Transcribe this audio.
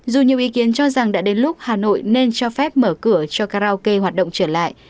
dù nhiều ý kiến cho rằng đã đến lúc hà nội nên cho phép mở cửa cho karaoke hoạt động trở lại